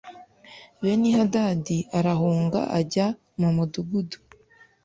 Benihadadi arahunga ajya mu mudugudu